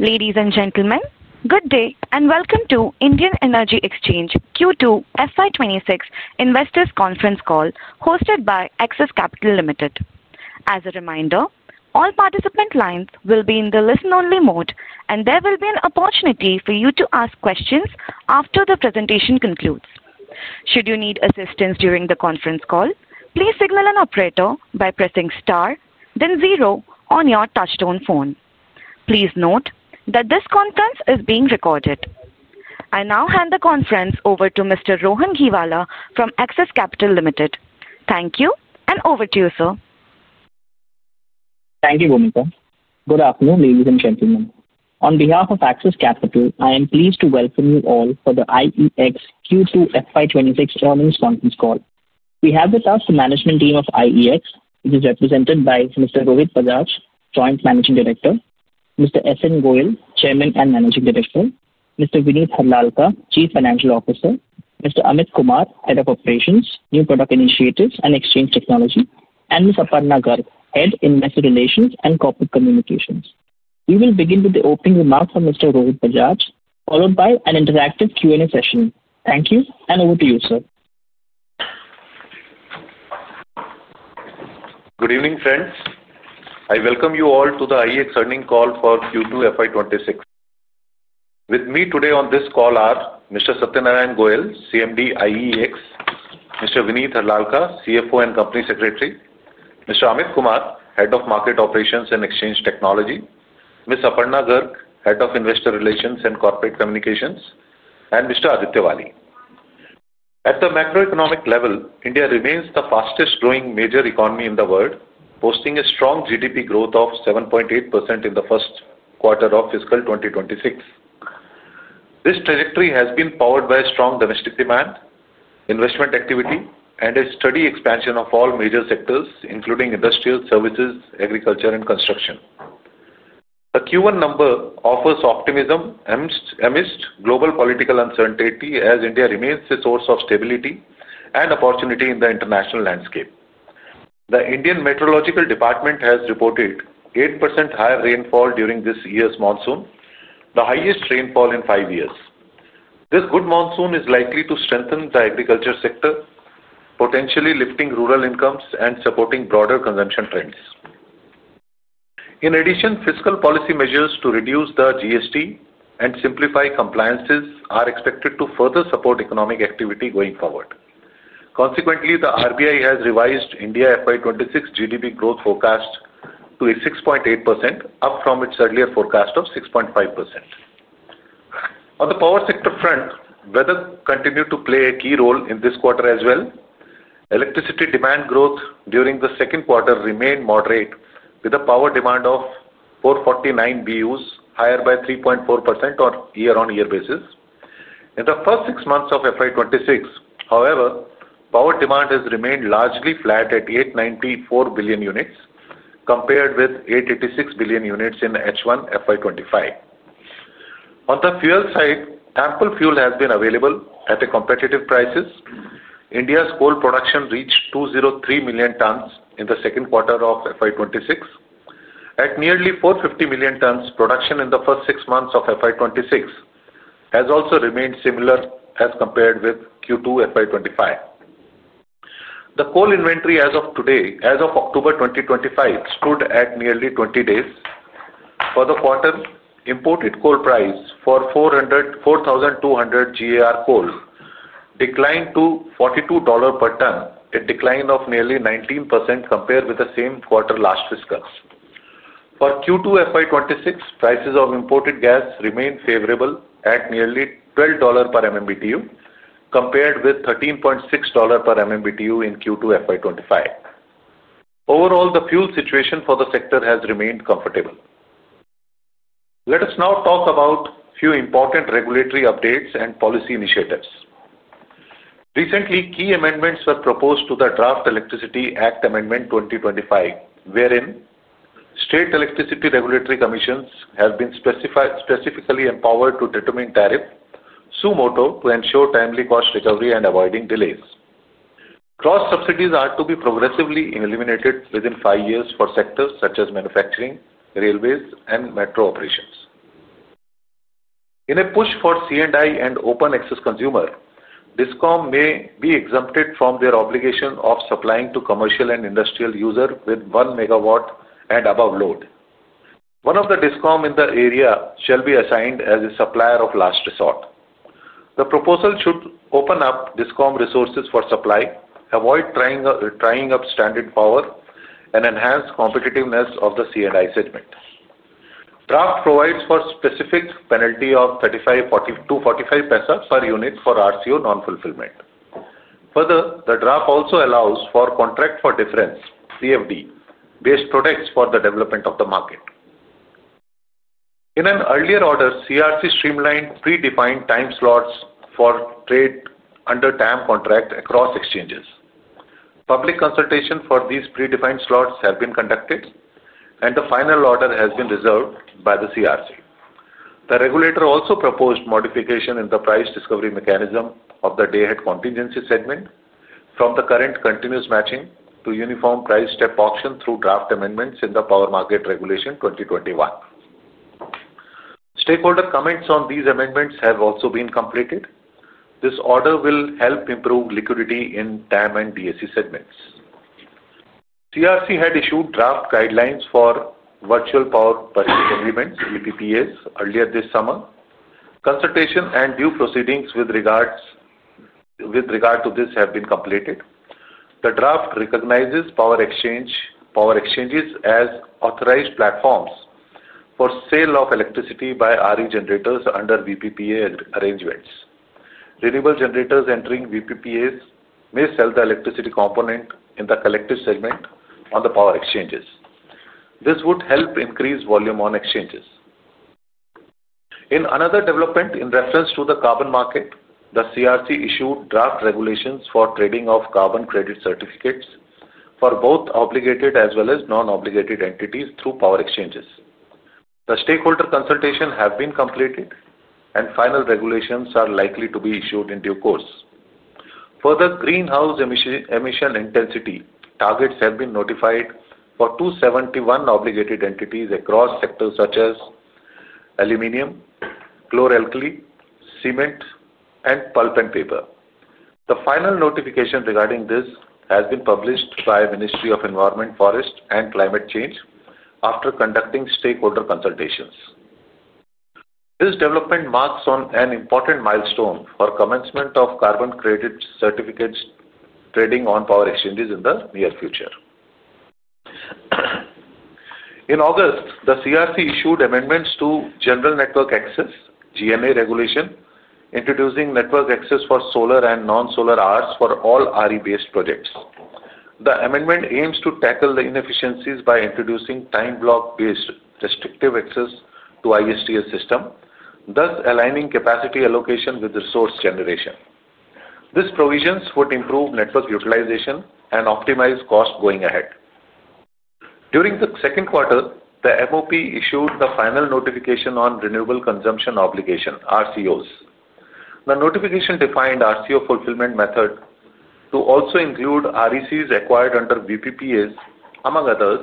Ladies and gentlemen, good day and welcome to Indian Energy Exchange Q2 FY 2026 investors' conference call, hosted by Axis Capital Limited. As a reminder, all participant lines will be in the listen-only mode, and there will be an opportunity for you to ask questions after the presentation concludes. Should you need assistance during the conference call, please signal an operator by pressing star, then zero on your touch-tone phone. Please note that this conference is being recorded. I now hand the conference over to Mr. Rohan Gheewala from Axis Capital Limited. Thank you, and over to you, sir. Thank you, Monika. Good afternoon, ladies and gentlemen. On behalf of Axis Capital, I am pleased to welcome you all for the IEX Q2 FY 2026 earnings conference call. We have with us the management team of IEX, which is represented by Mr. Rohit Bajaj, Joint Managing Director; Mr. Satyanarayan Goel, Chairman and Managing Director; Mr. Vineet Harlalka, Chief Financial Officer; Mr. Amit Kumar, Head of Operations, New Product Initiatives and Exchange Technology; and Ms. Aparna Garg, Head Investor Relations and Corporate Communications. We will begin with the opening remarks from Mr. Rohit Bajaj, followed by an interactive Q&A session. Thank you, and over to you, sir. Good evening, friends. I welcome you all to the IEX Earnings Call for Q2 FY 2026. With me today on this call are Mr. Satyanarayan Goel, Chairman and Managing Director, IEX; Mr. Vineet Harlalka, Chief Financial Officer and Company Secretary; Mr. Amit Kumar, Head of Market Operations and Exchange Technology; Ms. Aparna Garg, Head of Investor Relations and Corporate Communications; and Mr. Aditya Wali. At the macroeconomic level, India remains the fastest-growing major economy in the world, posting a strong GDP growth of 7.8% in the first quarter of fiscal 2026. This trajectory has been powered by strong domestic demand, investment activity, and a steady expansion of all major sectors, including industrial services, agriculture, and construction. The Q1 number offers optimism amidst global political uncertainty, as India remains a source of stability and opportunity in the international landscape. The India Meteorological Department has reported 8% higher rainfall during this year's monsoon, the highest rainfall in five years. This good monsoon is likely to strengthen the agriculture sector, potentially lifting rural incomes and supporting broader consumption trends. In addition, fiscal policy measures to reduce the GST and simplify compliances are expected to further support economic activity going forward. Consequently, the RBI has revised India FY 2026 GDP growth forecast to 6.8%, up from its earlier forecast of 6.5%. On the power sector front, weather continued to play a key role in this quarter as well. Electricity demand growth during the second quarter remained moderate, with a power demand of 449 billion units, higher by 3.4% on year-on-year basis. In the first six months of FY 2026, however, power demand has remained largely flat at 894 billion units, compared with 886 billion units in H1 FY 2025. On the fuel side, ample fuel has been available at competitive prices. India's coal production reached 203 million tons in the second quarter of FY 2026. At nearly 450 million tons, production in the first six months of FY 2026 has also remained similar as compared with Q2 FY 2025. The coal inventory as of today, as of October 2025, stood at nearly 20 days. For the quarter, imported coal price for 4,200 GAR coal declined to $42 per ton, a decline of nearly 19% compared with the same quarter last fiscal. For Q2 FY 2026, prices of imported gas remained favorable at nearly $12 per MMBtu, compared with $13.6 per MMBtu in Q2 FY 2025. Overall, the fuel situation for the sector has remained comfortable. Let us now talk about a few important regulatory updates and policy initiatives. Recently, key amendments were proposed to the Draft Electricity Act Amendment 2025, wherein State Electricity Regulatory Commissions have been specifically empowered to determine tariffs suo motu to ensure timely cost recovery and avoid delays. Cross subsidies are to be progressively eliminated within five years for sectors such as manufacturing, railways, and metro operations. In a push for C&I and open access consumers, Discom may be exempted from their obligation of supplying to commercial and industrial users with 1 MW and above load. One of the Discom in the area shall be assigned as a supplier of last resort. The proposal should open up Discom resources for supply, avoid tying up stranded power, and enhance competitiveness of the C&I segment. The draft provides for a specific penalty of 0.35 to 0.45 per unit for RCO non-fulfillment. Further, the draft also allows for Contract for Difference (CFD)-based products for the development of the market. In an earlier order, CERC streamlined pre-defined time slots for trade under TAM contracts across exchanges. Public consultation for these pre-defined slots has been conducted, and the final order has been reserved by the CERC. The regulator also proposed modification in the price discovery mechanism of the Day-Ahead Contingency segment from the current continuous matching to uniform price step auction through draft amendments in the Power Market Regulation 2021. Stakeholder comments on these amendments have also been completed. This order will help improve liquidity in TAM and DSC segments. CERC had issued draft guidelines for Virtual Power Purchase Agreements (VPPAs) earlier this summer. Consultation and due proceedings with regard to this have been completed. The draft recognizes power exchanges as authorized platforms for sale of electricity by RE generators under VPPA arrangements. Renewable generators entering VPPAs may sell the electricity component in the collective segment on the power exchanges. This would help increase volume on exchanges. In another development in reference to the carbon market, the CERC issued draft regulations for trading of carbon credit certificates for both obligated as well as non-obligated entities through power exchanges. The stakeholder consultation has been completed, and final regulations are likely to be issued in due course. Further, greenhouse emission intensity targets have been notified for 271 obligated entities across sectors such as aluminum, chloralkali, cement, and pulp and paper. The final notification regarding this has been published by the Ministry of Environment, Forest, and Climate Change after conducting stakeholder consultations. This development marks an important milestone for commencement of carbon credit certificate trading on power exchanges in the near future. In August, the CERC issued amendments to General Network Access (GNA) regulation, introducing network access for solar and non-solar hours for all RE-based projects. The amendment aims to tackle the inefficiencies by introducing time-block-based restrictive access to ISTS system, thus aligning capacity allocation with resource generation. These provisions would improve network utilization and optimize costs going ahead. During the second quarter, the MoP issued the final notification on Renewable Consumption Obligation (RCOs). The notification defined RCO fulfillment method to also include RECs acquired under VPPAs, among others,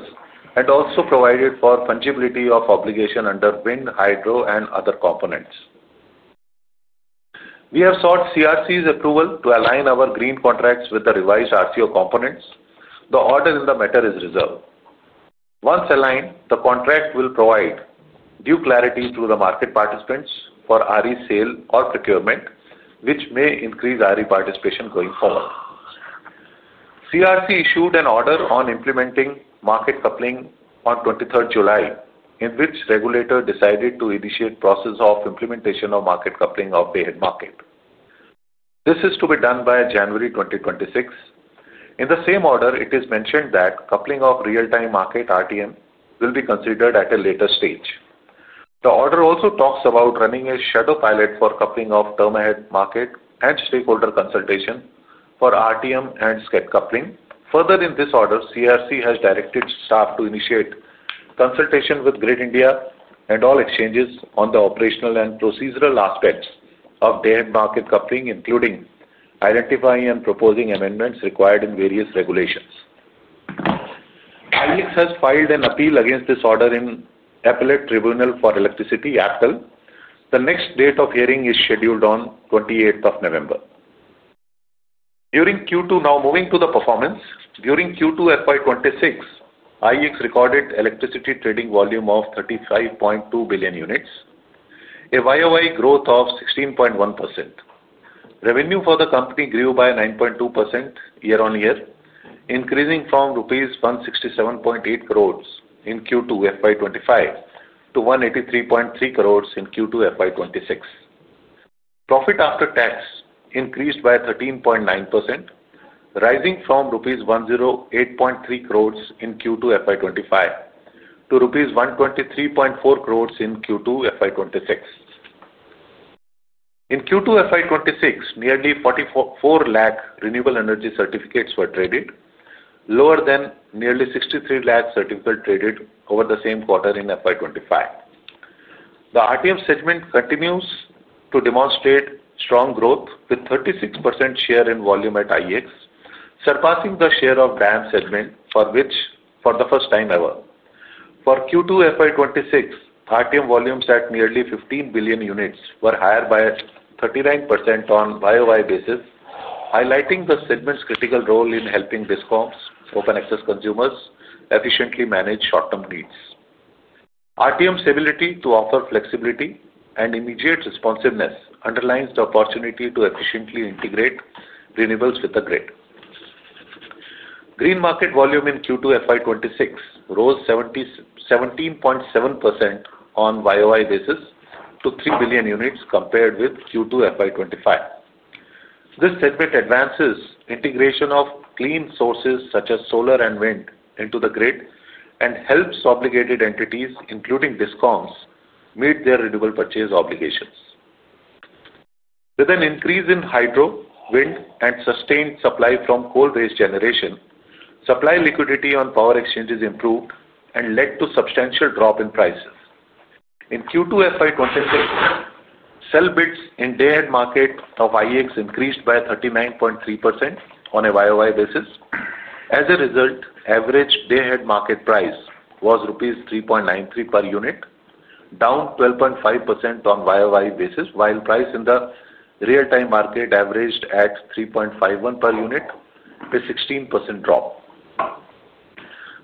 and also provided for fungibility of obligation under wind, hydro, and other components. We have sought CERC's approval to align our green contracts with the revised RCO components. The order in the matter is reserved. Once aligned, the contract will provide due clarity to the market participants for renewable energy sale or procurement, which may increase renewable energy participation going forward. CERC issued an order on implementing market coupling on 23rd July, in which the regulator decided to initiate the process of implementation of market coupling of Day Ahead Market. This is to be done by January 2026. In the same order, it is mentioned that coupling of Real Time Market (RTM) will be considered at a later stage. The order also talks about running a shadow pilot for coupling of Term Ahead Market and stakeholder consultation for RTM and SCET coupling. Further, in this order, CERC has directed staff to initiate consultation with Grid India and all exchanges on the operational and procedural aspects of Day Ahead Market coupling, including identifying and proposing amendments required in various regulations. IEX has filed an appeal against this order in the Appellate Tribunal for Electricity (APTEL). The next date of hearing is scheduled on 28th November. Now moving to the performance. During Q2 FY 2026, IEX recorded electricity trading volume of 35.2 billion units, a YoY growth of 16.1%. Revenue for the company grew by 9.2% year-on-year, increasing from rupees 167.8 crore in Q2 FY 2025 to 183.3 crore in Q2 FY 2026. Profit after tax increased by 13.9%, rising from rupees 108.3 crore in Q2 FY 2025 to INR 123.4 crore in Q2 FY 2026. In Q2 FY 2026, nearly 44 lakh renewable energy certificates were traded, lower than nearly 63 lakh certificates traded over the same quarter in FY 2025. The RTM segment continues to demonstrate strong growth with a 36% share in volume at IEX, surpassing the share of the DAM segment for the first time ever. For Q2 FY 2026, RTM volumes at nearly 15 billion units were higher by 39% on a YoY basis, highlighting the segment's critical role in helping Discoms and open access consumers efficiently manage short-term needs. RTM's ability to offer flexibility and immediate responsiveness underlines the opportunity to efficiently integrate renewables with the grid. Green market volume in Q2 FY 2026 rose 17.7% on a YoY basis to 3 billion units compared with Q2 FY 2025. This segment advances the integration of clean sources such as solar and wind into the grid and helps obligated entities, including discoms, meet their renewable purchase obligations. With an increase in hydro, wind, and sustained supply from coal-based generation, supply liquidity on power exchanges improved and led to a substantial drop in prices in Q2 FY 2026. Sell bids in the Day Ahead Market of IEX increased by 39.3% on a YoY basis. As a result, the average Day Ahead Market price was rupees 3.93 per unit, down 12.5% on a YoY basis, while the price in the Real Time Market averaged at 3.51 per unit, a 16% drop.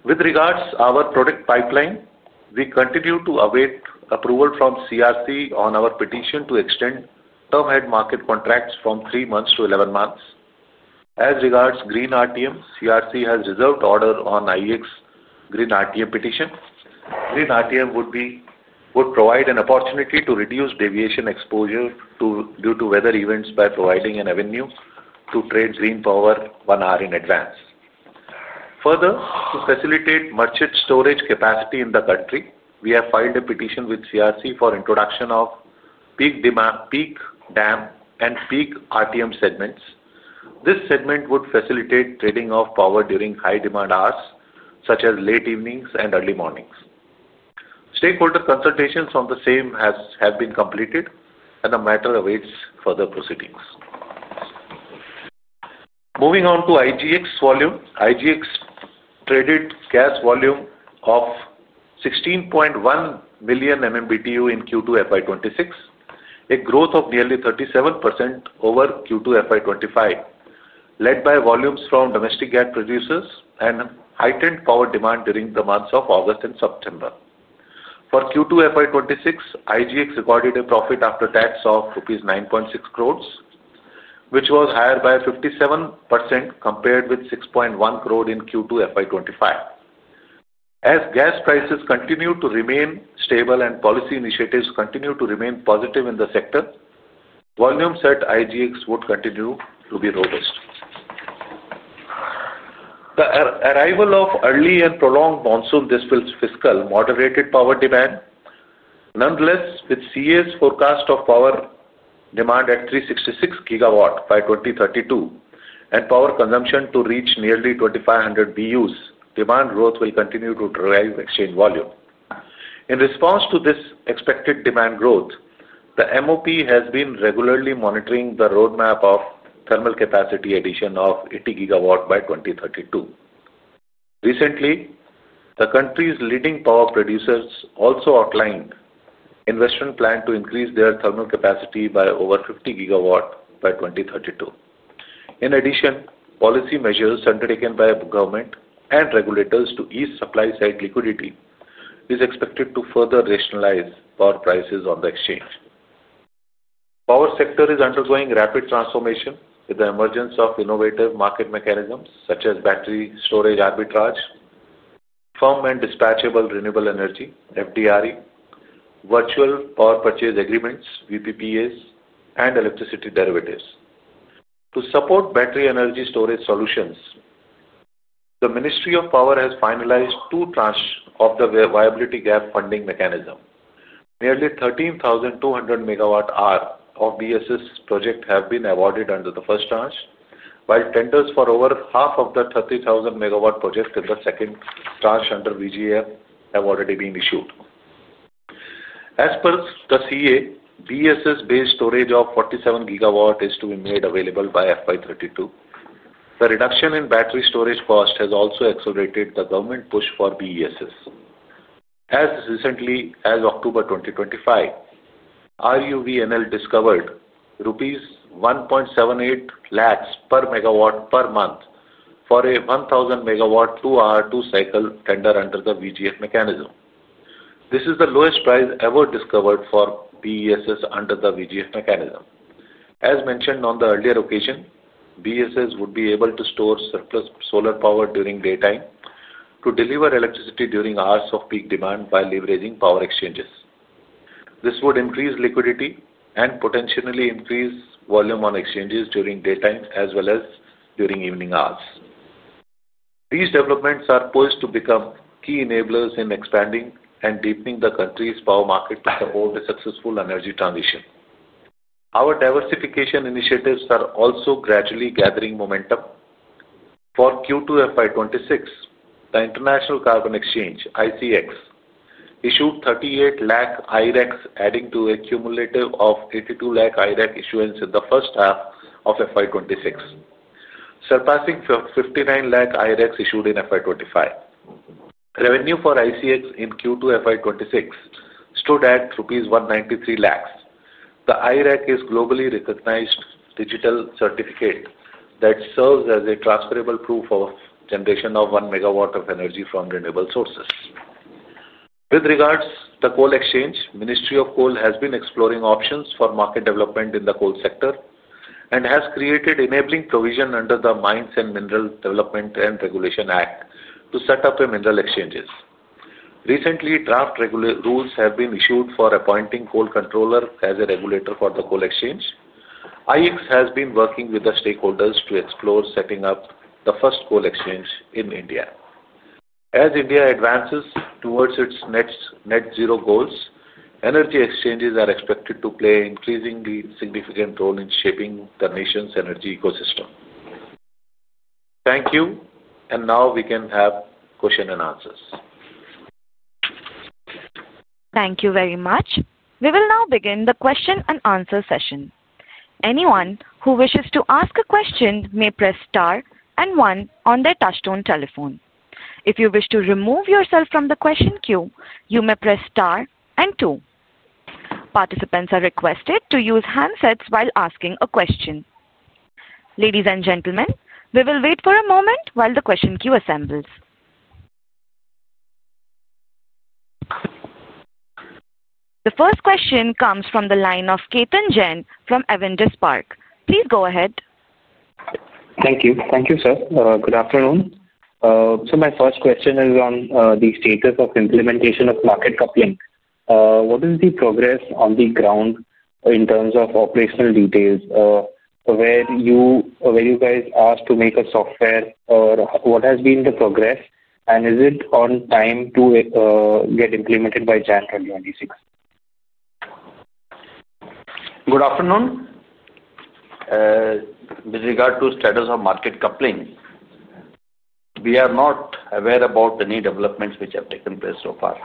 With regards to our product pipeline, we continue to await approval from CERC on our petition to extend Term Ahead Market contracts from three months to eleven months. As regards to Green RTM, CERC has reserved an order on IEX's Green RTM petition. Green RTM would provide an opportunity to reduce deviation exposure due to weather events by providing an avenue to trade green power one hour in advance. Further, to facilitate merchant storage capacity in the country, we have filed a petition with CERC for the introduction of peak DAM and peak RTM segments. This segment would facilitate the trading of power during high-demand hours, such as late evenings and early mornings. Stakeholder consultations on the same have been completed, and the matter awaits further proceedings. Moving on to IGX volume, IGX traded cash volume of 16.1 million MMBtu in Q2 FY 2026, a growth of nearly 37% over Q2 FY 2025. Led by volumes from domestic gas producers and heightened power demand during the months of August and September. For Q2 FY 2026, IGX recorded a profit after tax of rupees 9.6 crore, which was higher by 57% compared with 6.1 crore in Q2 FY 2025. As gas prices continue to remain stable and policy initiatives continue to remain positive in the sector, volume-set IGX would continue to be robust. The arrival of early and prolonged monsoon-displaced fiscal moderated power demand. Nonetheless, with the CEA's forecast of power demand at 366 GW by 2032 and power consumption to reach nearly 2,500 BUs, demand growth will continue to drive exchange volume. In response to this expected demand growth, the MoP has been regularly monitoring the roadmap of thermal capacity addition of 80 GW by 2032. Recently, the country's leading power producers also outlined an investment plan to increase their thermal capacity by over 50 GW by 2032. In addition, policy measures undertaken by the government and regulators to ease supply-side liquidity are expected to further rationalize power prices on the exchange. The power sector is undergoing rapid transformation with the emergence of innovative market mechanisms such as battery storage arbitrage, firm and dispatchable renewable energy (FDRE), Virtual Power Purchase Agreements (VPPAs), and electricity derivatives. To support battery energy storage systems, the Ministry of Power has finalized two tranches of the viability gap funding mechanism. Nearly 13,200 MWh of BESS projects have been awarded under the first tranche, while tenders for over half of the 30,000 MW projects in the second tranche under VGF have already been issued. As per the CEA, BESS-based storage of 47 GW is to be made available by FY 2032. The reduction in battery storage cost has also accelerated the government push for BESS. As recently as October 2025, RUVNL discovered rupees 1.78 lakh per megawatt per month for a 1,000 MW 2-hour-2-cycle tender under the VGF mechanism. This is the lowest price ever discovered for BESS under the VGF mechanism. As mentioned on the earlier occasion, BESS would be able to store surplus solar power during daytime to deliver electricity during hours of peak demand by leveraging power exchanges. This would increase liquidity and potentially increase volume on exchanges during daytime as well as during evening hours. These developments are poised to become key enablers in expanding and deepening the country's power market toward a successful energy transition. Our diversification initiatives are also gradually gathering momentum. For Q2 FY 2026, the International Carbon Exchange (ICX) issued 38 lakh IREX, adding to a cumulative of 82 lakh IREX issuance in the first half of FY 2026, surpassing 59 lakh IREX issued in FY 2025. Revenue for ICX in Q2 FY 2026 stood at INR 193 lakh. The IREX is a globally recognized digital certificate that serves as a transferable proof of generation of 1 MW of energy from renewable sources. With regards to the coal exchange, the Ministry of Coal has been exploring options for market development in the coal sector and has created enabling provisions under the Mines and Minerals Development and Regulation Act to set up mineral exchanges. Recently, draft rules have been issued for appointing coal controllers as a regulator for the coal exchange. IEX has been working with the stakeholders to explore setting up the first coal exchange in India. As India advances towards its net-zero goals, energy exchanges are expected to play an increasingly significant role in shaping the nation's energy ecosystem. Thank you, and now we can have questions and answers. Thank you very much. We will now begin the question-and-answer session. Anyone who wishes to ask a question may press star and one on their touchstone telephone. If you wish to remove yourself from the question queue, you may press star and two. Participants are requested to use handsets while asking a question. Ladies and gentlemen, we will wait for a moment while the question queue assembles. The first question comes from the line of Ketan Jain from Avendus Spark. Please go ahead. Thank you. Thank you, sir. Good afternoon. So my first question is on the status of implementation of market coupling. What is the progress on the ground in terms of operational details? Were you guys asked to make a software, or what has been the progress, and is it on time to get implemented by January 2026? Good afternoon. With regard to the status of market coupling, we are not aware about any developments which have taken place so far.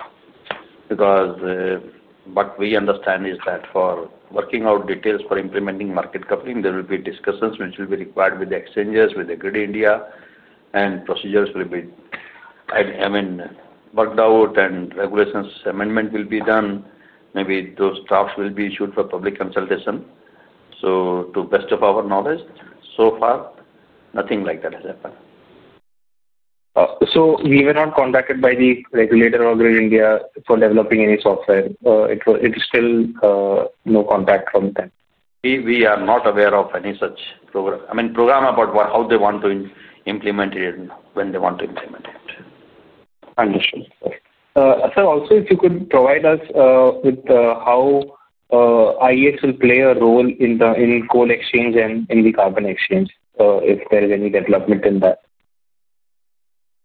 What we understand is that for working out details for implementing market coupling, there will be discussions which will be required with the exchanges, with Grid India, and procedures will be worked out, and regulations amendments will be done. Maybe those drafts will be issued for public consultation. To the best of our knowledge, so far, nothing like that has happened. We were not contacted by the regulator or Grid India for developing any software. It is still no contact from them. We are not aware of any such program, I mean, program about how they want to implement it and when they want to implement it. Understood. Sir, also, if you could provide us with how IEX will play a role in coal exchange and in the carbon exchange, if there is any development in that.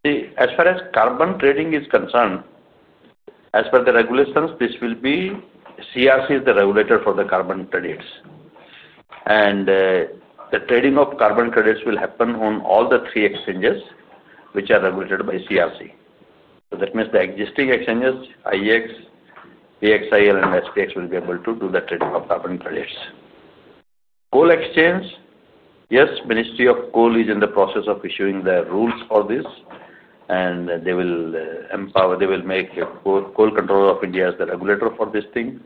As far as carbon trading is concerned, as per the regulations, CERC is the regulator for the carbon credits. The trading of carbon credits will happen on all the three exchanges which are regulated by CERC. That means the existing exchanges, IEX, PXIL, and HPX, will be able to do the trading of carbon credits. Coal exchange, yes, the Ministry of Coal is in the process of issuing the rules for this, and they will make Coal Controller of India as the regulator for this thing.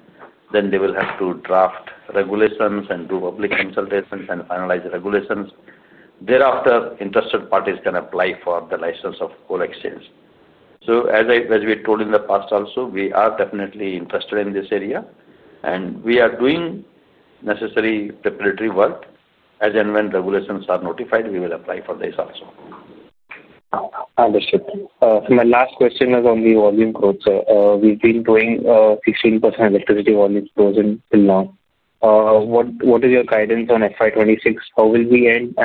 They will have to draft regulations and do public consultations and finalize regulations. Thereafter, interested parties can apply for the license of coal exchange. As we told in the past also, we are definitely interested in this area, and we are doing necessary preparatory work. As and when regulations are notified, we will apply for this also. Understood. My last question is on the volume growth, sir. We've been doing 16% electricity volume growth in Finland. What is your guidance on FY 2026? How will we end?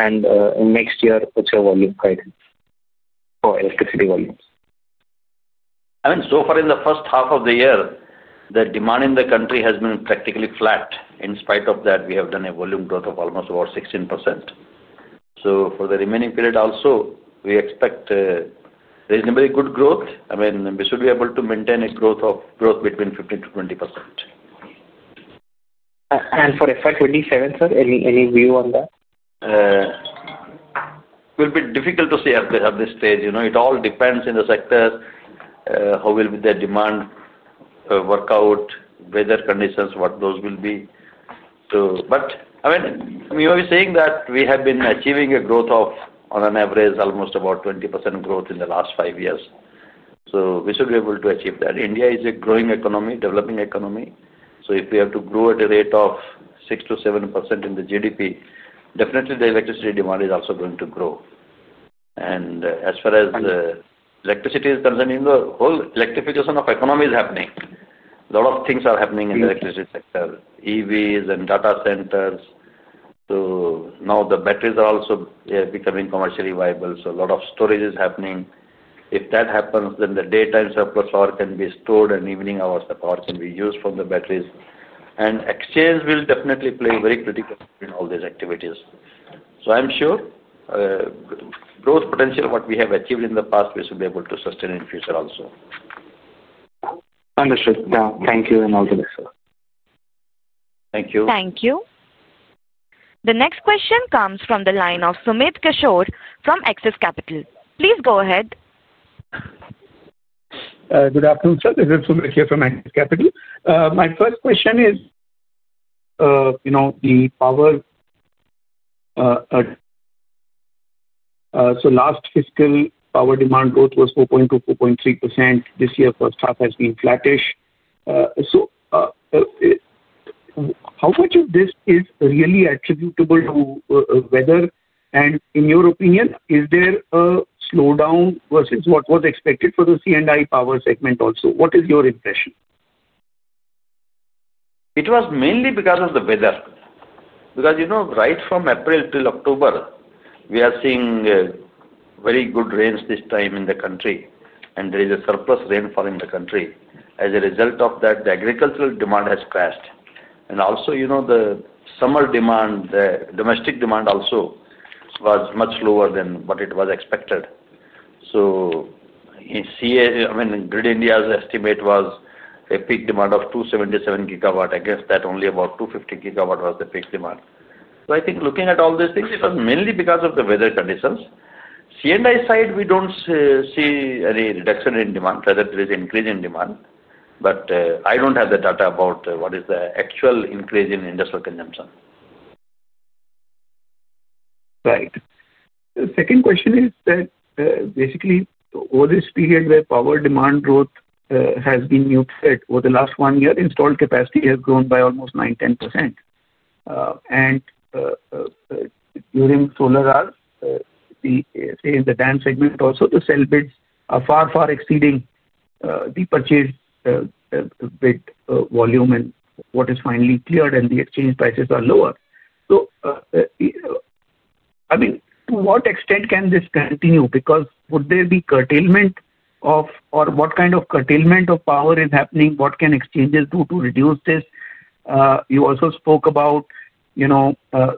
Next year, what's your volume guidance for electricity volumes? I mean, so far, in the first half of the year, the demand in the country has been practically flat. In spite of that, we have done a volume growth of almost about 16%. For the remaining period also, we expect reasonably good growth. I mean, we should be able to maintain a growth between 15%-20%. For FY 2027, sir, any view on that? It will be difficult to say at this stage. It all depends on the sector, how the demand will work out, weather conditions, what those will be. I mean, we are saying that we have been achieving a growth of, on average, almost about 20% growth in the last five years. We should be able to achieve that. India is a growing economy, developing economy. If we have to grow at a rate of 6% to 7% in the GDP, definitely the electricity demand is also going to grow. As far as. Electricity is concerned, you know, the whole electrification of the economy is happening. A lot of things are happening in the electricity sector, EVs and data centers. Now the batteries are also becoming commercially viable. A lot of storage is happening. If that happens, then the daytime surplus power can be stored, and in evening hours, the power can be used from the batteries. The exchange will definitely play a very critical role in all these activities. I'm sure growth potential, what we have achieved in the past, we should be able to sustain in the future also. Understood. Thank you and all the best, sir. Thank you. Thank you. The next question comes from the line of Sumit Kishore from Axis Capital. Please go ahead. Good afternoon, sir. This is Sumit here from Axis Capital. My first question is, the power. Last fiscal power demand growth was 4.2% to 4.3%. This year, first half has been flattish. How much of this is really attributable to weather? In your opinion, is there a slowdown versus what was expected for the C&I power segment also? What is your impression? It was mainly because of the weather. Right from April 'til October, we are seeing very good rains this time in the country, and there is a surplus rainfall in the country. As a result of that, the agricultural demand has crashed. The summer demand, the domestic demand also, was much lower than what it was expected. Grid India's estimate was a peak demand of 277 GW. Against that, only about 250 GW was the peak demand. Looking at all these things, it was mainly because of the weather conditions. C&I side, we don't see any reduction in demand. Rather, there is an increase in demand. I don't have the data about what is the actual increase in industrial consumption. Right. The second question is that basically over this period, the power demand growth has been muted. Over the last one year, installed capacity has grown by almost 9% to 10%. Using solar, say in the DAM segment also, the sell bids are far, far exceeding the purchase bid volume and what is finally cleared, and the exchange prices are lower. To what extent can this continue? Would there be curtailment of, or what kind of curtailment of power is happening? What can exchanges do to reduce this? You also spoke about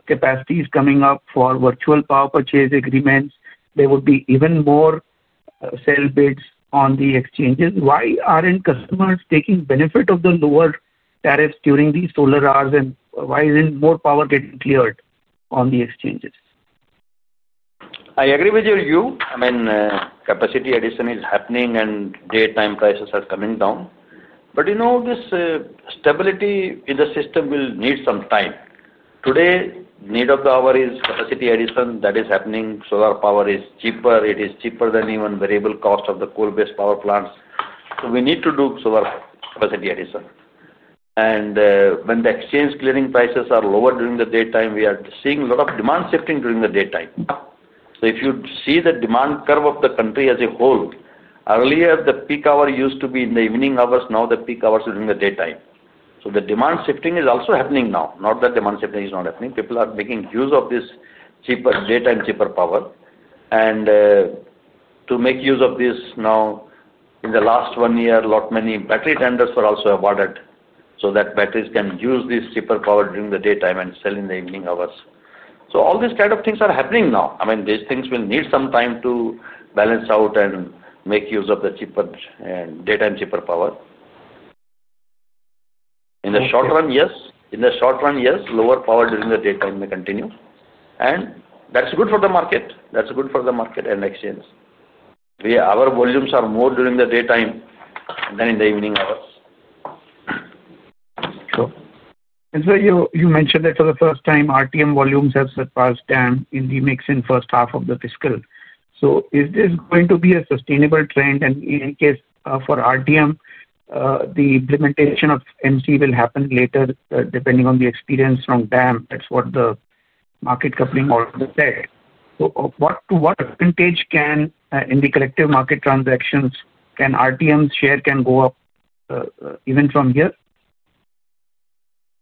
capacities coming up for Virtual Power Purchase Agreements. There would be even more sell bids on the exchanges. Why aren't customers taking benefit of the lower tariffs during these solar hours? Why isn't more power getting cleared on the exchanges? I agree with you. I mean, capacity addition is happening, and daytime prices are coming down. This stability in the system will need some time. Today, the need of the hour is capacity addition that is happening. Solar power is cheaper. It is cheaper than even variable cost of the coal-based power plants. We need to do solar capacity addition. When the exchange clearing prices are lower during the daytime, we are seeing a lot of demand shifting during the daytime. If you see the demand curve of the country as a whole, earlier, the peak hour used to be in the evening hours. Now the peak hours are during the daytime. The demand shifting is also happening now. Not that demand shifting is not happening. People are making use of this daytime cheaper power. To make use of this now, in the last one year, a lot many battery tenders were also awarded so that batteries can use this cheaper power during the daytime and sell in the evening hours. All these kinds of things are happening now. These things will need some time to balance out and make use of the cheaper daytime cheaper power. In the short run, yes. In the short run, yes. Lower power during the daytime may continue. That's good for the market. That's good for the market and exchange. Our volumes are more during the daytime than in the evening hours. Sure. Sir, you mentioned that for the first time, RTM volumes have surpassed DAM in the mix in the first half of the fiscal. Is this going to be a sustainable trend? In any case, for RTM, the implementation of MC will happen later depending on the experience from DAM. That's what the market coupling also said. To what percentage in the collective market transactions can RTM's share go up even from here?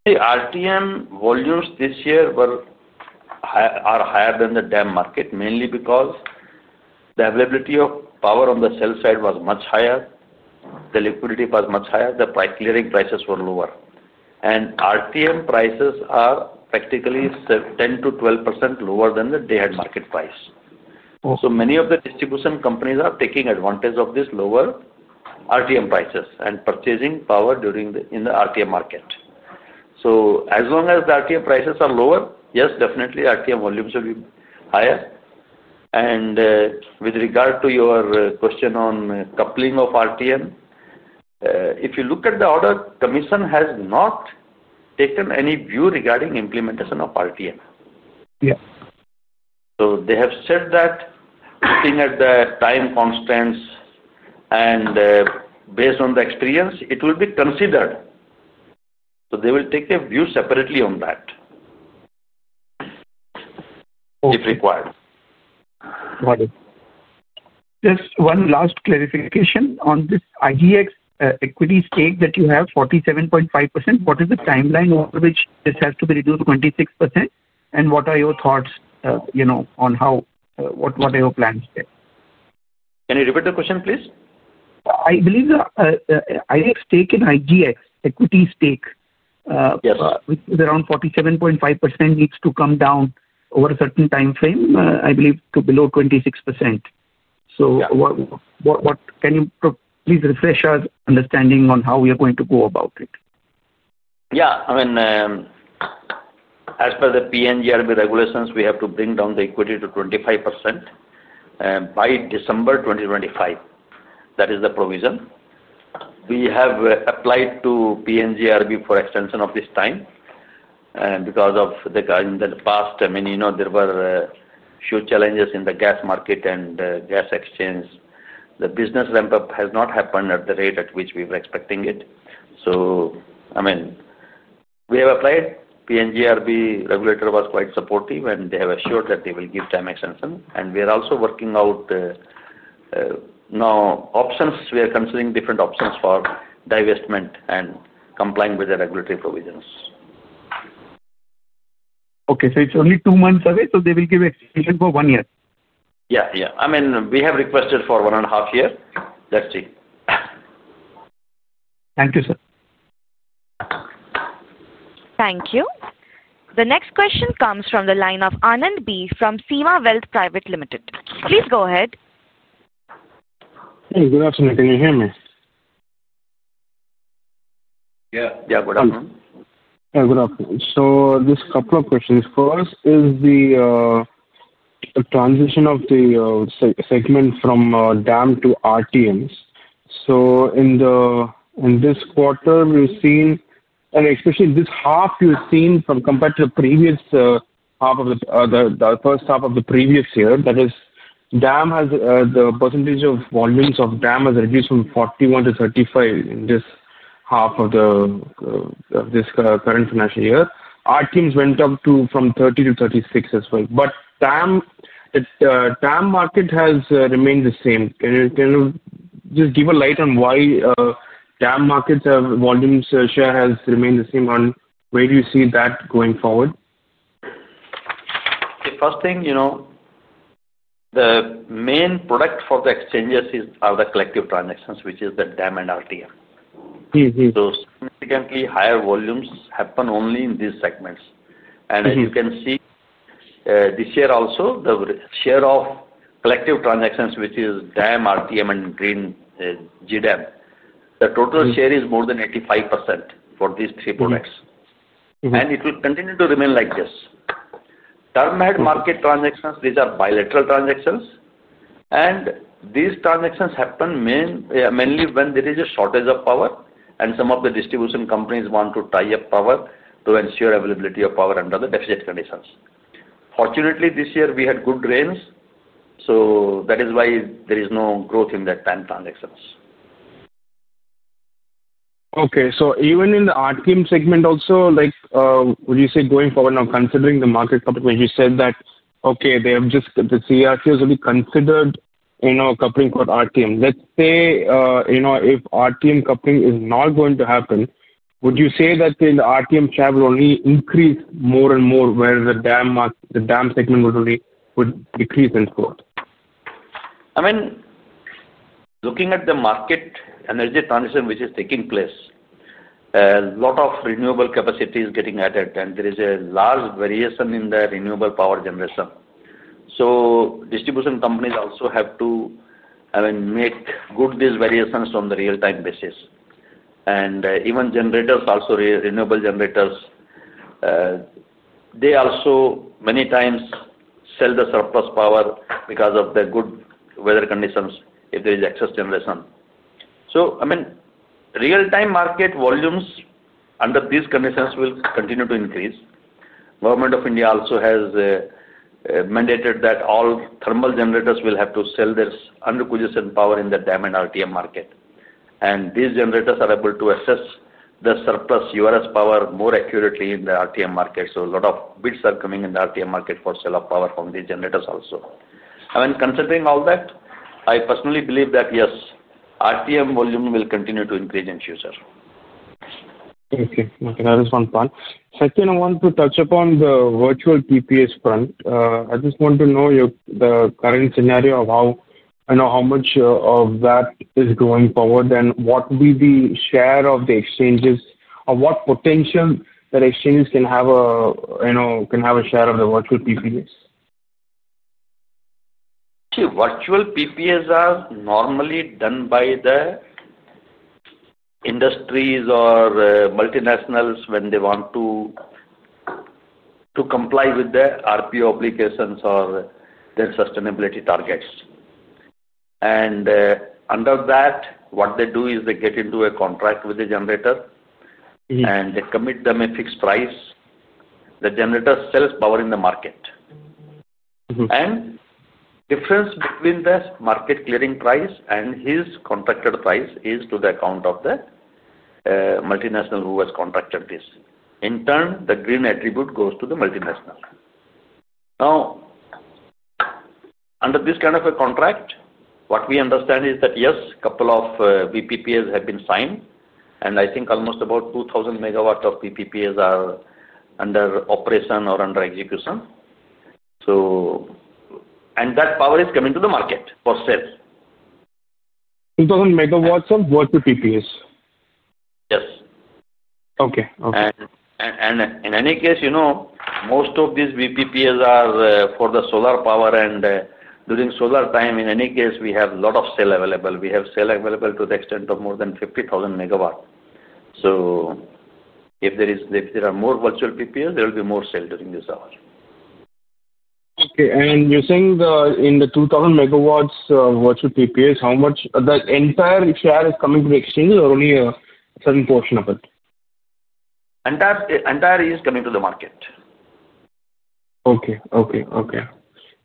RTM volumes this year are higher than the DAM market, mainly because the availability of power on the sell side was much higher. The liquidity was much higher. The clearing prices were lower. RTM prices are practically 10%-12% lower than the Day Ahead Market price. Many of the distribution companies are taking advantage of these lower RTM prices and purchasing power in the RTM market. As long as the RTM prices are lower, yes, definitely RTM volumes will be higher. With regard to your question on coupling of RTM. If you look at the order, the commission has not taken any view regarding the implementation of RTM. They have said that, looking at the time constants and based on the experience, it will be considered. They will take a view separately on that if required. Got it. Just one last clarification on this IGX equity stake that you have, 47.5%. What is the timeline over which this has to be reduced to 26%? What are your thoughts on what are your plans there? Can you repeat the question, please? I believe the IGX stake, equity stake, which is around 47.5%, needs to come down over a certain timeframe, I believe, to below 26%. Can you please refresh our understanding on how we are going to go about it? Yeah. As per the PNGRB regulations, we have to bring down the equity to 25% by December 2025. That is the provision. We have applied to PNGRB for extension of this time because of the past, I mean, there were a few challenges in the gas market and gas exchange. The business ramp-up has not happened at the rate at which we were expecting it. We have applied. PNGRB regulator was quite supportive, and they have assured that they will give time extension. We are also working out options. We are considering different options for divestment and complying with the regulatory provisions. Okay. It's only two months away, so they will give extension for one year? Yeah. We have requested for one and a half year. Let's see. Thank you, sir. Thank you. The next question comes from the line of Anand B from Seema Wealth Private Limited. Please go ahead. Hey, good afternoon. Can you hear me? Yeah. Good afternoon. Yeah. Good afternoon. So this couple of questions. First, is the transition of the segment from DAM to RTMs? In this quarter, we've seen, and especially this half, we've seen compared to the previous half of the first half of the previous year, that is, the percentage of volumes of DAM has reduced from 41% to 35% in this half of this current financial year. RTMs went up from 30% to 36% as well. The DAM market has remained the same. Can you just give a light on why DAM market volume share has remained the same? Where do you see that going forward? The first thing, the main product for the exchanges are the collective transactions, which is the DAM and RTM. Significantly higher volumes happen only in these segments. As you can see. This year also, the share of collective transactions, which is DAM, RTM, and GDAM, the total share is more than 85% for these three products. It will continue to remain like this. Term and market transactions, these are bilateral transactions. These transactions happen mainly when there is a shortage of power, and some of the distribution companies want to tie up power to ensure availability of power under the deficit conditions. Fortunately, this year, we had good rains. That is why there is no growth in the DAM transactions. Even in the RTM segment also, would you say going forward, now considering the market coupling, as you said that the RTMs will be considered. Coupling for RTM? Let's say if RTM coupling is not going to happen, would you say that the RTM share will only increase more and more, whereas the DAM segment would decrease in scope? I mean, looking at the market energy transition, which is taking place, a lot of renewable capacity is getting added, and there is a large variation in the renewable power generation. Distribution companies also have to make good these variations on the real-time basis. Even generators, also renewable generators, they also many times sell the surplus power because of the good weather conditions if there is excess generation. Real Time Market volumes under these conditions will continue to increase. Government of India also has mandated that all thermal generators will have to sell their unrequisitioned power in the DAM and RTM market. These generators are able to assess the surplus URS power more accurately in the RTM market. A lot of bids are coming in the RTM market for sale of power from these generators also. Considering all that, I personally believe that, yes, RTM volume will continue to increase in future. That is one plan. Second, I want to touch upon the virtual PPAs front. I just want to know the current scenario of how much of that is going forward and what will be the share of the exchanges or what potential the exchanges can have. A share of the virtual PPAs? Virtual PPAs are normally done by the industries or multinationals when they want to comply with the RPO obligations or their sustainability targets. Under that, what they do is they get into a contract with the generator. They commit them a fixed price. The generator sells power in the market. The difference between the market clearing price and his contracted price is to the account of the multinational who has contracted this. In turn, the green attribute goes to the multinational. Now, under this kind of a contract, what we understand is that, yes, a couple of VPPAs have been signed. I think almost about 2,000 MW of VPPAs are under operation or under execution, and that power is coming to the market for sale. 2,000 MW of virtual PPAs? Yes. Okay. In any case, most of these VPPAs are for the solar power, and during solar time, in any case, we have a lot of sale available. We have sale available to the extent of more than 50,000 MW. If there are more virtual PPAs, there will be more sale during this hour. Okay. You're saying in the 2,000 MW of virtual PPAs, the entire share is coming to the exchange or only a certain portion of it? The entire is coming to the market. Okay.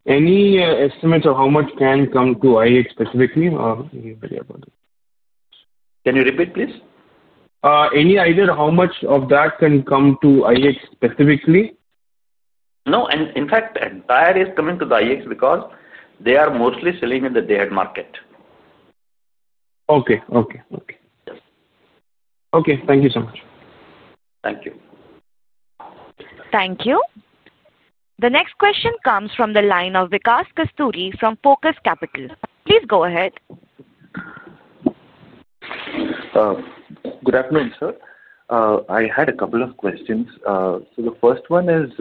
Any estimates of how much can come to IEX specifically or anybody about it? Can you repeat, please? Any idea of how much of that can come to IEX specifically? No. In fact, the entire is coming to the IEX because they are mostly selling in the Day Ahead Market. Okay. Thank you so much. Thank you. The next question comes from the line of Vikas Kasturi from Focus Capital. Please go ahead. Good afternoon, sir. I had a couple of questions. The first one is,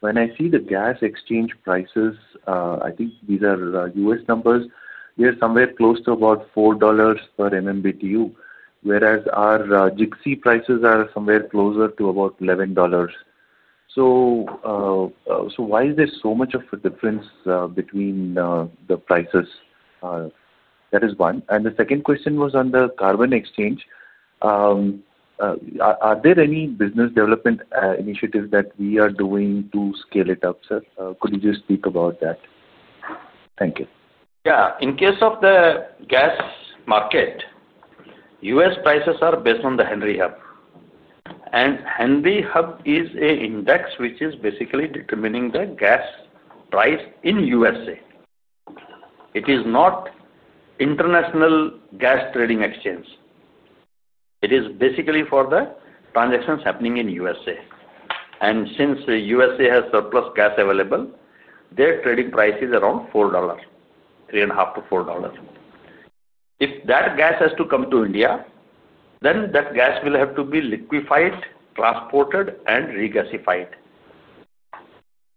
when I see the gas exchange prices, I think these are U.S. numbers, we are somewhere close to about $4 per MMBtu, whereas our GIXI prices are somewhere closer to about $11. Why is there so much of a difference between the prices? That is one. The second question was on the carbon exchange. Are there any business development initiatives that we are doing to scale it up, sir? Could you just speak about that? Thank you. Yeah. In case of the gas market, U.S. prices are based on the Henry Hub. Henry Hub is an index which is basically determining the gas price in the U.S.A. It is not an international gas trading exchange. It is basically for the transactions happening in the U.S.A. Since the U.S.A. has surplus gas available, their trading price is around $4, $3.5-$4. If that gas has to come to India, then that gas will have to be liquefied, transported, and regasified.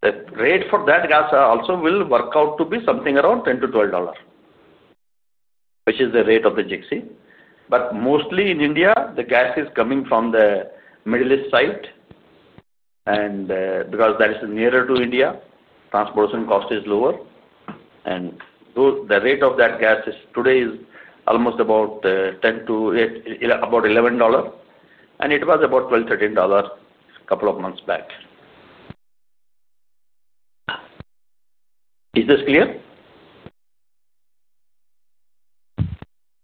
The rate for that gas also will work out to be something around $10-$12, which is the rate of the GIXI. Mostly in India, the gas is coming from the Middle East side. Because that is nearer to India, transportation cost is lower. The rate of that gas today is almost about $11. It was about $12, $13 a couple of months back. Is this clear?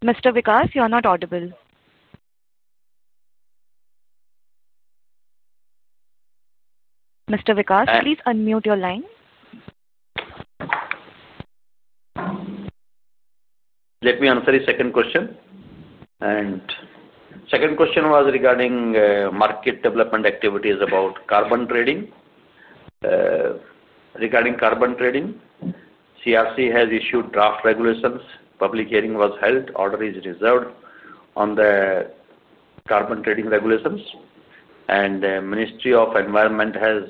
Mr. Vikas, you are not audible. Mr. Vikas, please unmute your line. Let me answer the second question. The second question was regarding market development activities about carbon trading. Regarding carbon trading, CERC has issued draft regulations. Public hearing was held. Order is reserved on the carbon trading regulations. The Ministry of Environment has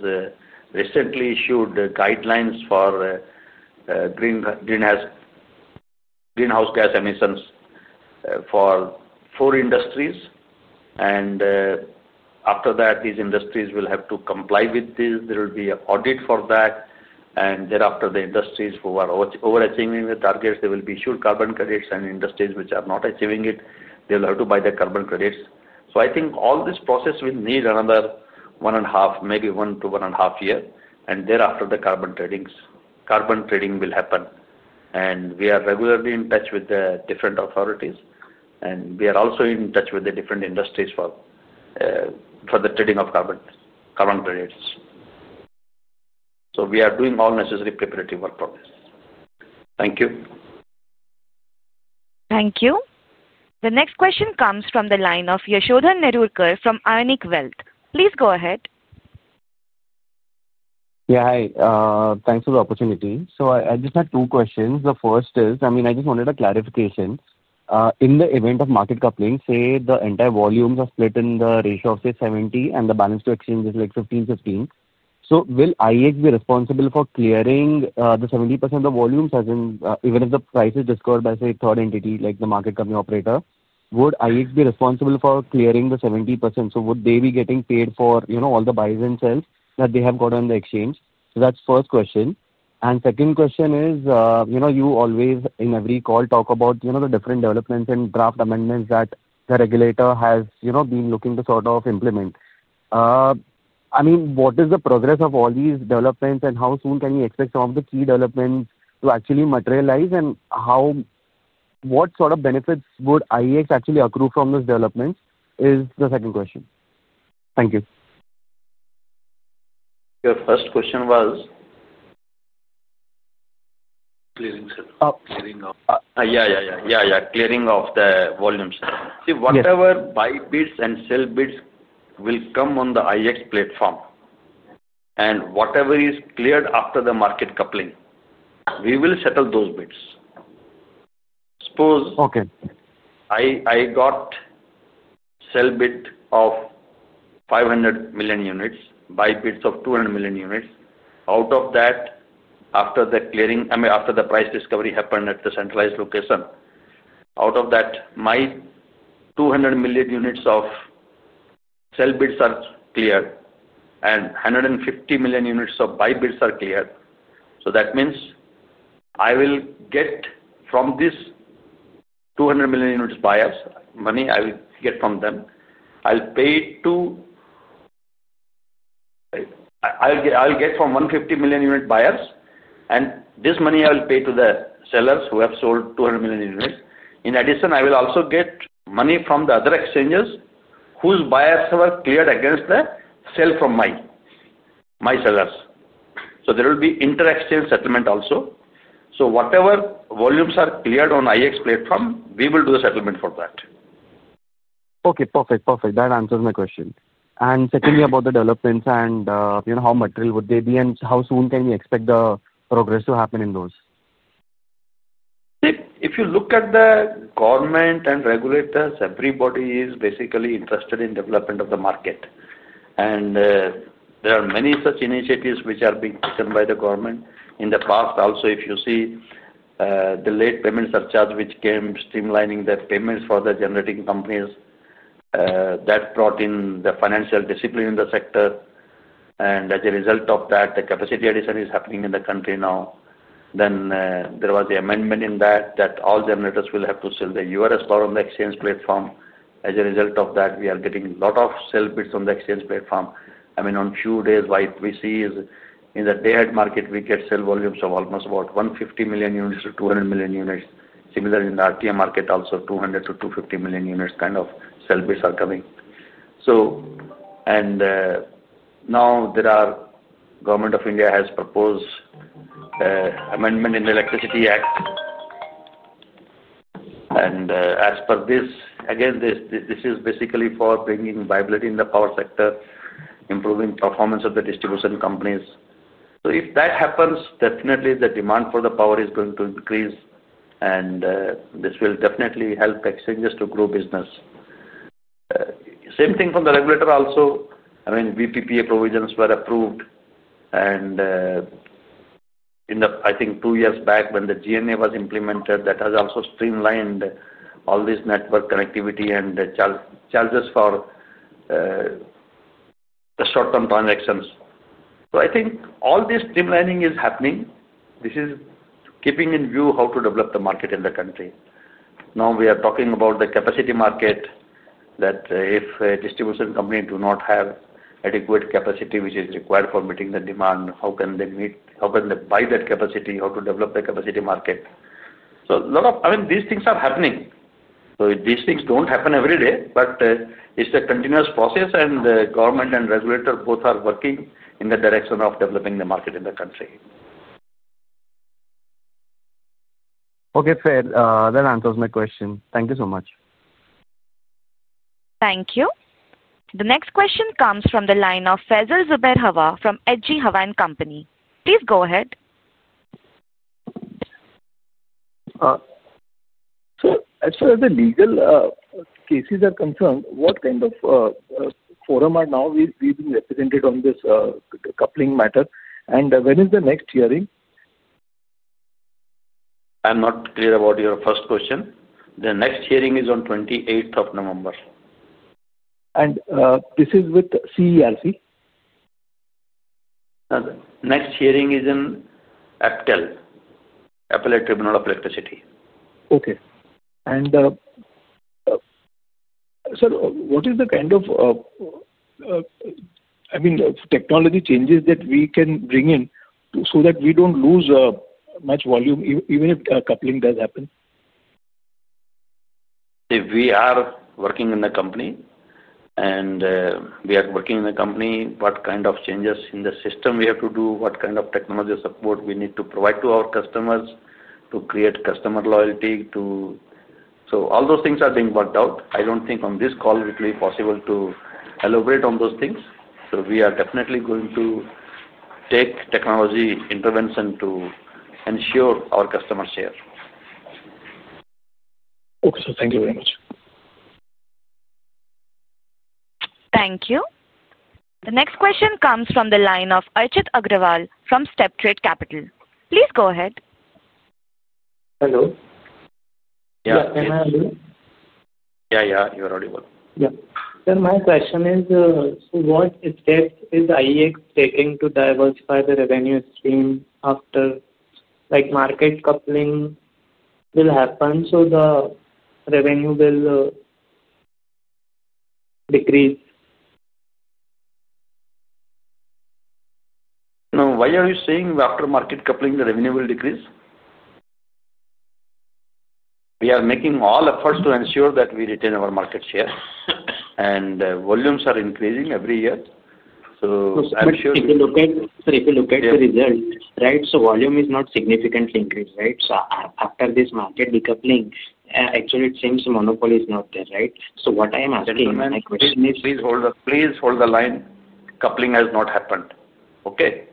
recently issued guidelines for greenhouse gas emissions for four industries. After that, these industries will have to comply with this. There will be an audit for that, and thereafter, the industries who are overachieving the targets, they will be issued carbon credits. Industries which are not achieving it, they will have to buy the carbon credits. I think all this process will need another one and a half, maybe one to one and a half years. Thereafter, the carbon trading will happen. We are regularly in touch with the different authorities. We are also in touch with the different industries for the trading of carbon credits. We are doing all necessary preparatory work for this. Thank you. Thank you. The next question comes from the line of Yashodhan Nerurkar from Ionic Wealth. Please go ahead. Yeah. Hi. Thanks for the opportunity. I just have two questions. The first is, I mean, I just wanted a clarification. In the event of market coupling, say the entire volumes are split in the ratio of, say, 70%, and the balance to exchanges like 15-15, so will IEX be responsible for clearing the 70% of the volumes? Even if the price is discovered by, say, a third entity like the market company operator, would IEX be responsible for clearing the 70%? Would they be getting paid for all the buys and sales that they have got on the exchange? That's the first question. The second question is, you always, in every call, talk about the different developments and draft amendments that the regulator has been looking to sort of implement. What is the progress of all these developments, and how soon can we expect some of the key developments to actually materialize, and what sort of benefits would IEX actually accrue from those developments? Is the second question. Thank you. Your first question was clearing, sir. Clearing of. Yeah, yeah, yeah. Yeah, yeah. Clearing of the volumes, sir. See, whatever buy bids and sell bids will come on the IEX platform, and whatever is cleared after the market coupling, we will settle those bids. Suppose I got sell bid of 500 million units, buy bids of 200 million units. Out of that, after the clearing, I mean, after the price discovery happened at the centralized location, out of that, my 200 million units of sell bids are cleared and 150 million units of buy bids are cleared. That means I will get from this 200 million units buyers' money I will get from them. I'll get from 150 million unit buyers, and this money I will pay to the sellers who have sold 200 million units. In addition, I will also get money from the other exchangers whose buyers were cleared against the sale from my sellers. There will be inter-exchange settlement also. Whatever volumes are cleared on IEX platform, we will do the settlement for that. Okay. Perfect. Perfect. That answers my question. Secondly, about the developments and how material would they be, and how soon can we expect the progress to happen in those? If you look at the government and regulators, everybody is basically interested in the development of the market. There are many such initiatives which are being taken by the government. In the past, also, if you see, the late payments surcharge which came streamlining the payments for the generating companies, that brought in the financial discipline in the sector, and as a result of that, the capacity addition is happening in the country now. There was the amendment in that that all generators will have to sell the URS power on the exchange platform. As a result of that, we are getting a lot of sell bids on the exchange platform. On few days, what we see is in the Day Ahead Market, we get sale volumes of almost about 150 million units to 200 million units. Similarly, in the RTM, also 200 million-250 million units kind of sell bids are coming. Now, Government of India has proposed amendment in the Electricity Act, and as per this, again, this is basically for bringing viability in the power sector, improving performance of the distribution companies. If that happens, definitely the demand for the power is going to increase, and this will definitely help exchanges to grow business. Same thing from the regulator also. VPPA provisions were approved. I think two years back, when the GNA was implemented, that has also streamlined all this network connectivity and charges for the short-term transactions. I think all this streamlining is happening. This is keeping in view how to develop the market in the country. Now, we are talking about the capacity market. If a distribution company does not have adequate capacity, which is required for meeting the demand, how can they buy that capacity? How to develop the capacity market? A lot of these things are happening. These things don't happen every day, but it's a continuous process, and the government and regulator both are working in the direction of developing the market in the country. Okay. Fair. That answers my question. Thank you so much. Thank you. The next question comes from the line of Faisal Hawa from H.G. Hawa and Company. Please go ahead. As far as the legal cases are concerned, what kind of forum are now being represented on this coupling matter? When is the next hearing? I'm not clear about your first question. The next hearing is on 28th of November. This is with CERC? Next hearing is in APTEL, Appellate Tribunal of Electricity. Okay. Sir, what is the kind of technology changes that we can bring in so that we don't lose much volume even if coupling does happen? If we are working in the company, what kind of changes in the system do we have to do, what kind of technology support do we need to provide to our customers to create customer loyalty? All those things are being worked out. I don't think on this call it will be possible to elaborate on those things. We are definitely going to take technology intervention to ensure our customer's share. Okay. Sir, thank you very much. Thank you. The next question comes from the line of Archit Agrawal from Steptrade Capital. Please go ahead. Hello. Yeah. Am I audible? Yeah. Yeah. You're audible. Yeah. Sir, my question is, what steps is IEX taking to diversify the revenue stream after market coupling? Will the revenue decrease? No. Why are you saying after market coupling, the revenue will decrease? We are making all efforts to ensure that we retain our market share, and volumes are increasing every year. I'm sure. If you look at, sorry, if you look at the result, right, volume is not significantly increased, right? After this market decoupling, actually, it seems monopoly is not there, right? What I am asking is, my question is, Please hold the line. Coupling has not happened, okay?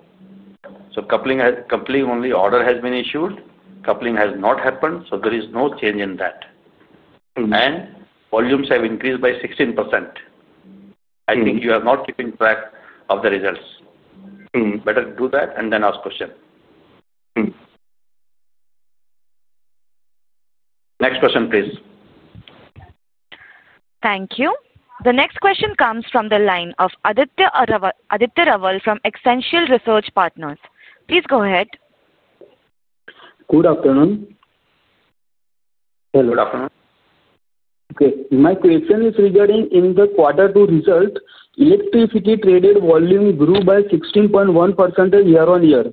Only order has been issued. Coupling has not happened, so there is no change in that. Volumes have increased by 16%. I think you are not keeping track of the results. Better do that and then ask question. Next question, please. Thank you. The next question comes from the line of Aditya Raval from Exencial Research Partners. Please go ahead. Good afternoon. Hello. Good afternoon. My question is regarding in the quarter two result, electricity traded volume grew by 16.1% year-on-year,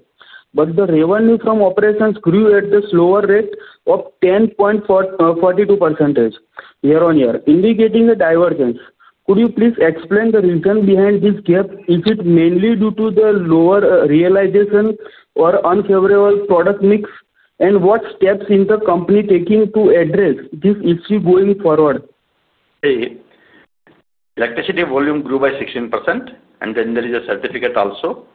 but the revenue from operations grew at the slower rate of 10.42% year-on-year, indicating a divergence. Could you please explain the reason behind this gap, is it mainly due to the lower realization or unfavorable product mix, and what steps is the company taking to address this issue going forward? Electricity volume grew by 16%, and then there is a certificate also.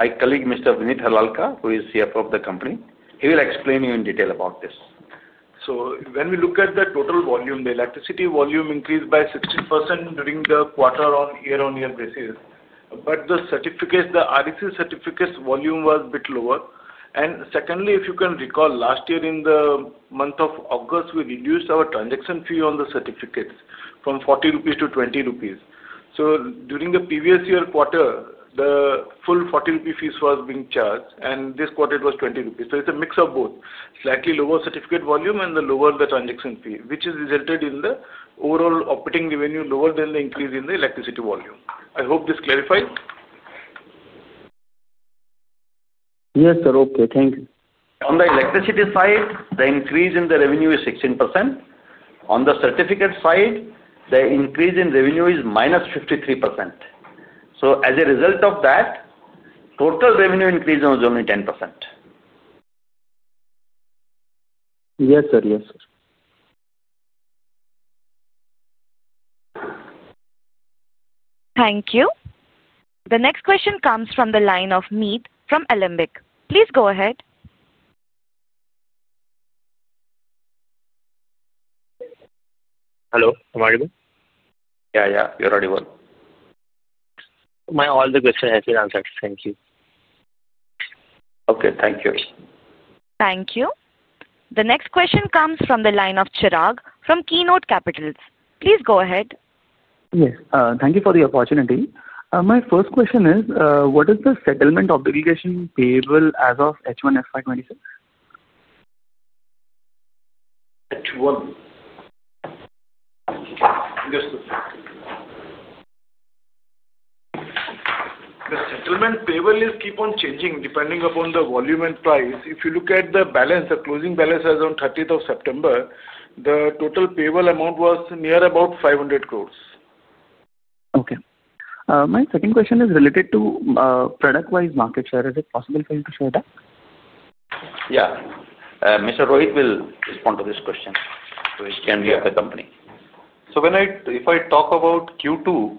My colleague, Mr. Vineet Harlalka, who is CFO of the company, he will explain to you in detail about this. When we look at the total volume, the electricity volume increased by 16% during the quarter year-on-year basis, but the certificates, the REC certificates volume was a bit lower. Secondly, if you can recall, last year in the month of August, we reduced our transaction fee on the certificates from 40 rupees to 20 rupees. During the previous year quarter, the full 40 rupee fees were being charged, and this quarter it was 20 rupees. It's a mix of both, slightly lower certificate volume and the lower transaction fee, which has resulted in the overall operating revenue lower than the increase in the electricity volume. I hope this clarifies. Yes, sir. Okay. Thank you. On the electricity side, the increase in the revenue is 16%. On the certificate side, the increase in revenue is minus 53%. As a result of that, total revenue increase was only 10%. Yes, sir. Yes, sir. Thank you. The next question comes from the line of Meet from Elimbiq. Please go ahead. Hello. Am I audible? Yeah. Yeah. You're audible. All the questions have been answered. Thank you. Okay. Thank you. Thank you. The next question comes from the line of Chirag from Keynote Capital. Please go ahead. Yes. Thank you for the opportunity. My first question is, what is the settlement obligation payable as of H1 FY 2026? H1. The settlement payable list keeps on changing depending upon the volume and price. If you look at the balance, the closing balance as of 30th September, the total payable amount was near about 500 crore. Okay. My second question is related to product-wise market share. Is it possible for you to share that? Yeah. Mr. Rohit will respond to this question, which can be of the company. If I talk about Q2,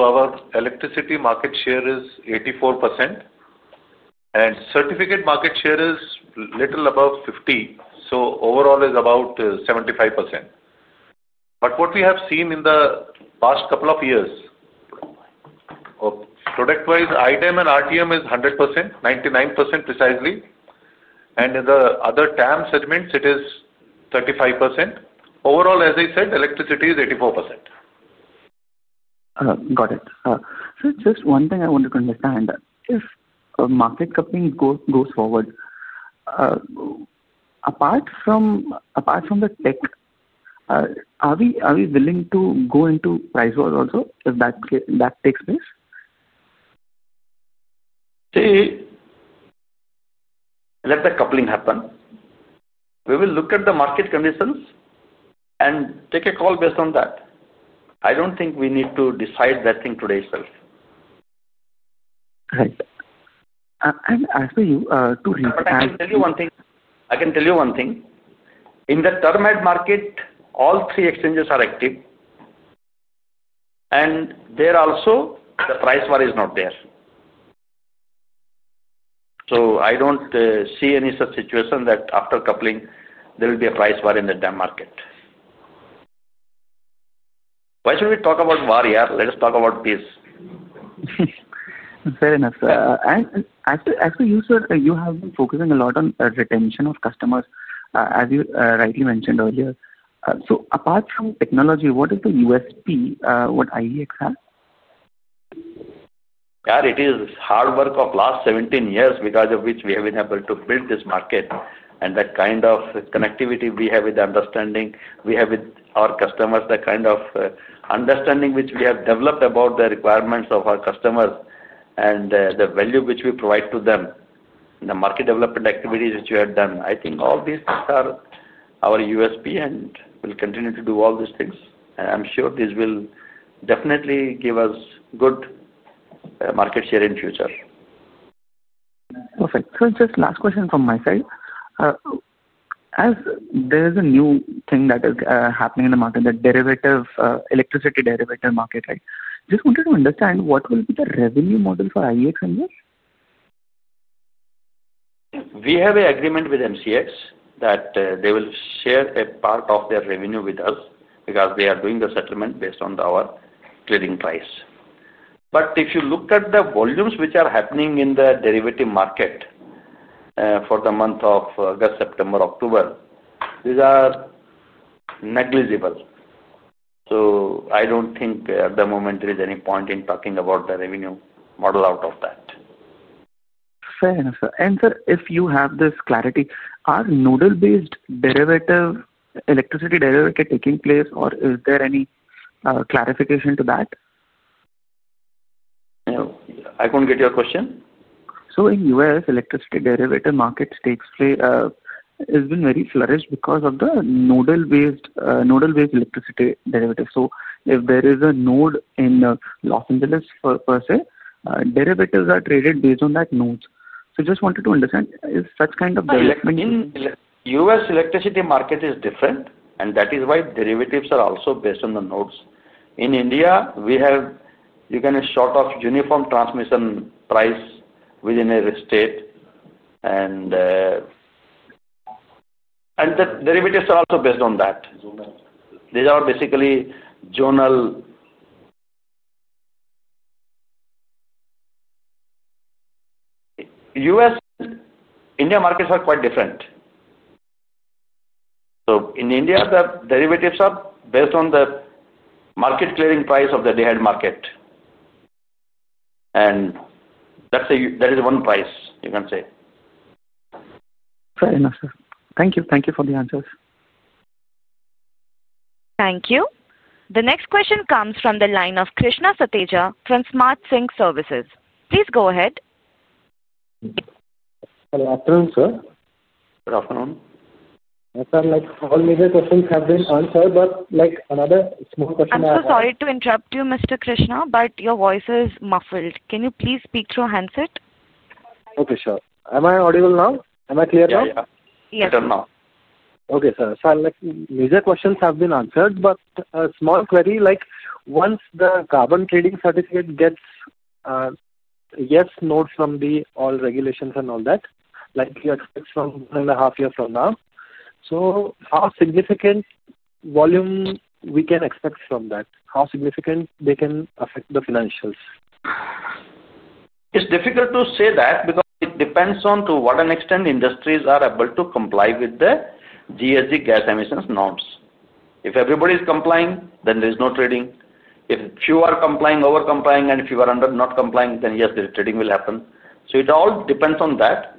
our electricity market share is 84%. Certificate market share is a little above 50%. Overall, it is about 75%. What we have seen in the past couple of years, product-wise, DAM and RTM is 100%, 99% precisely. In the other TAM segments, it is 35%. Overall, as I said, electricity is 84%. Got it. Sir, just one thing I wanted to understand. If market coupling goes forward, apart from the tech, are we willing to go into price wars also if that takes place? Let the coupling happen. We will look at the market conditions and take a call based on that. I don't think we need to decide that thing today itself. Right. As per you, to reach that, I can tell you one thing. In the Term Ahead Market, all three exchanges are active, and there also, the price war is not there. I don't see any such situation that after coupling, there will be a price war in the DAM market. Why should we talk about war, yeah? Let us talk about peace. Fair enough. As per you, sir, you have been focusing a lot on retention of customers, as you rightly mentioned earlier. Apart from technology, what is the USP that IEX has? Yeah. It is hard work of the last 17 years because of which we have been able to build this market. The kind of connectivity we have, the understanding we have with our customers, the kind of understanding which we have developed about the requirements of our customers and the value which we provide to them, the market development activities which we have done. I think all these are our USP and we will continue to do all these things. I'm sure this will definitely give us good market share in the future. Perfect. Just last question from my side. As there is a new thing that is happening in the market, the electricity derivative market, right? Just wanted to understand what will be the revenue model for IEX in this? We have an agreement with MCX that they will share a part of their revenue with us because they are doing the settlement based on our trading price. If you look at the volumes which are happening in the derivative market for the month of August, September, October, these are negligible. I don't think at the moment there is any point in talking about the revenue model out of that. Fair enough. Sir, if you have this clarity, are node-based electricity derivatives taking place, or is there any clarification to that? I couldn't get your question. In the U.S., the electricity derivative market has been very flourished because of the node-based electricity derivative. If there is a node in Los Angeles, per se, derivatives are traded based on that node. I just wanted to understand, is such kind of derivative in place? In the U.S., the electricity market is different, and that is why derivatives are also based on the nodes. In India, you can sort of have uniform transmission price within a state. The derivatives are also based on that. These are basically general. U.S. and India markets are quite different. In India, the derivatives are based on the market clearing price of the Day Ahead Market, and that is one price, you can say. Fair enough, sir. Thank you. Thank you for the answers. Thank you. The next question comes from the line of Krishna Satija from Smart Sync Services. Please go ahead. Good afternoon, sir. Good afternoon. Sir, all major questions have been answered, but another small question I have. I'm so sorry to interrupt you, Mr. Krishna, but your voice is muffled. Can you please speak through handset? Okay, sure. Am I audible now? Am I clear now? Yeah. Yeah. I don't know. Okay, sir. Sir, major questions have been answered, but a small query. Once the carbon trading certificate gets yes nodes from all regulations and all that, like you expect from one and a half years from now, how significant volume can we expect from that? How significant can they affect the financials? It's difficult to say that because it depends on to what extent industries are able to comply with the GHG gas emissions norms. If everybody is complying, then there is no trading. If few are complying, over-complying, and few are not complying, then yes, the trading will happen. It all depends on that.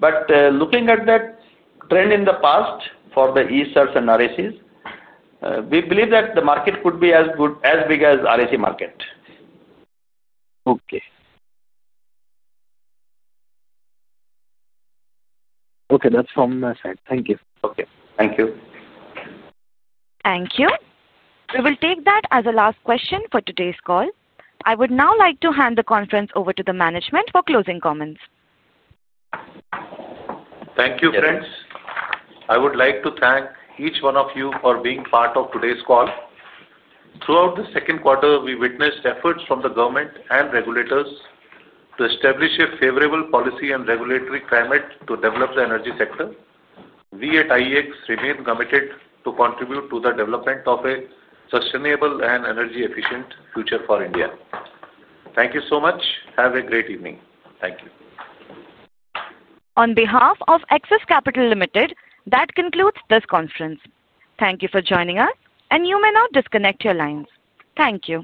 Looking at the trend in the past for the ESCerts analysis, we believe that the market could be as big as the REC market. Okay. Okay. That's from my side. Thank you. Okay. Thank you. Thank you. We will take that as the last question for today's call. I would now like to hand the conference over to the management for closing comments. Thank you, friends. I would like to thank each one of you for being part of today's call. Throughout the second quarter, we witnessed efforts from the government and regulators to establish a favorable policy and regulatory climate to develop the energy sector. We at IEX remain committed to contribute to the development of a sustainable and energy-efficient future for India. Thank you so much. Have a great evening. Thank you. On behalf of Axis Capital Limited, that concludes this conference. Thank you for joining us, and you may now disconnect your lines. Thank you.